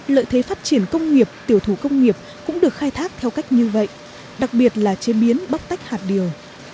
lợi thế phát triển công nghiệp tiểu thủ công nghiệp cũng được khai thác theo cách như vậy đặc biệt là chế biến bóc tách hạt điều